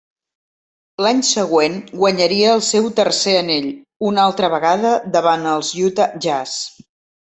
L'any següent guanyaria el seu tercer anell, una altra vegada davant els Utah Jazz.